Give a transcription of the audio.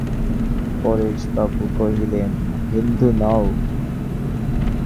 পরেশবাবু কহিলেন, হিন্দু নও!